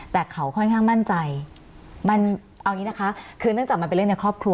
แต่เขาค่อนข้างมั่นใจมันเอาอย่างนี้นะคะคือเนื่องจากมันเป็นเรื่องในครอบครัว